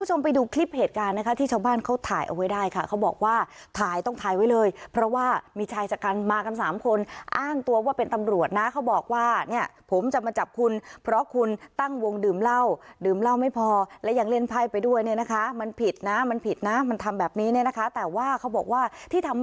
คุณผู้ชมไปดูคลิปเหตุการณ์นะคะที่ชาวบ้านเขาถ่ายเอาไว้ได้ค่ะเขาบอกว่าถ่ายต้องถ่ายไว้เลยเพราะว่ามีชายชะกันมากันสามคนอ้างตัวว่าเป็นตำรวจนะเขาบอกว่าเนี่ยผมจะมาจับคุณเพราะคุณตั้งวงดื่มเหล้าดื่มเหล้าไม่พอและยังเล่นไพ่ไปด้วยเนี่ยนะคะมันผิดนะมันผิดนะมันทำแบบนี้เนี่ยนะคะแต่ว่าเขาบอกว่าที่ทำ